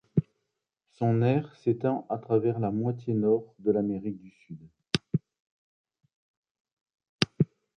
Son aire s'étend à travers la moitié nord de l'Amérique du Sud.